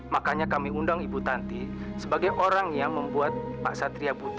makanya kami undang ibu tanti sebagai orang yang membuat pak satria buta